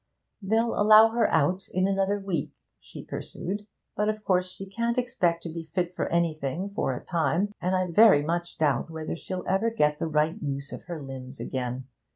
'They'll allow her out in another week,' she pursued. 'But, of course, she can't expect to be fit for anything for a time. And I very much doubt whether she'll ever get the right use of her limbs again.